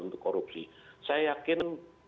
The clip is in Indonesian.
untuk korupsi saya yakin